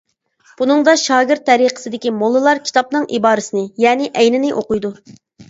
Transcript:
بۇنىڭدا شاگىرت تەرىقىسىدىكى موللىلار كىتابنىڭ ئىبارىسىنى يەنى ئەينىنى ئوقۇيدۇ.